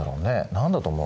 何だと思う？